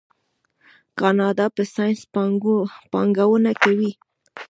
کاناډا په ساینس پانګونه کوي.